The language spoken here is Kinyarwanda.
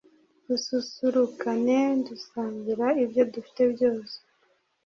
dususurukane dusangira ibyo dufite byose